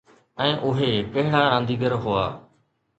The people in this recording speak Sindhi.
۽ اهي ڪهڙا رانديگر هئا؟